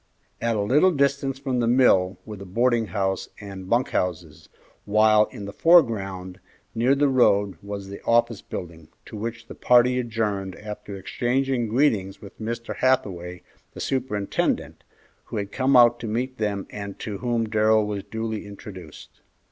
At a little distance from the mill were the boarding house and bunk houses, while in the foreground, near the road was the office building, to which the party adjourned after exchanging greetings with Mr. Hathaway, the superintendent, who had come out to meet them and to whom Darrell was duly introduced.